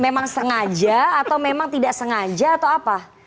memang sengaja atau memang tidak sengaja atau apa